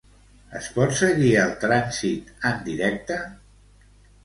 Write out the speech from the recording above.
Es pot seguir el trànsit en directe?